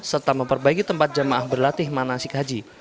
serta memperbaiki tempat jamaah berlatih manasik haji